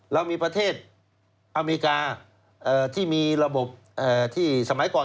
เรามีประเทศอเมริกาที่มีระบบที่สมัยก่อน